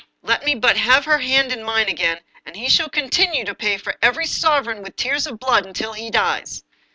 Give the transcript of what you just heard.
Let me but have her hand in mine again, and he shall continue to pay for every sovereign with tears of blood until he dies."